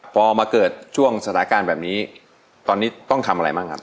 พอมาเกิดช่วงสถานการณ์แบบนี้ตอนนี้ต้องทำอะไรบ้างครับ